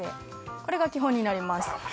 これが基本になります